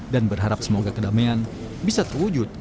dan berharap semoga kedamaian bisa terwujud